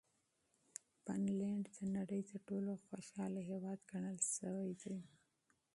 فنلنډ د نړۍ تر ټولو خوشحاله هېواد ګڼل شوی دی.